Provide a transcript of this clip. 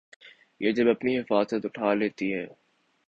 یہ جب اپنی حفاظت اٹھا لیتی ہے۔